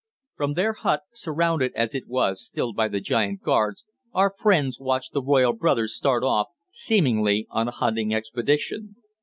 From their hut, surrounded as it was still by the giant guards, our friends watched the royal brothers start off, seemingly on a hunting expedition.